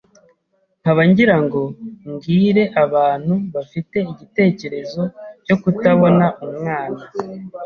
nkaba ngirango mbwire abantu bafite igitekerezo cyo kutabona umwana